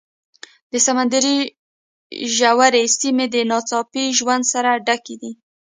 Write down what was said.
د سمندر ژورې سیمې د ناڅاپي ژوند سره ډکې دي.